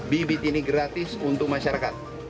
bibit ini gratis untuk masyarakat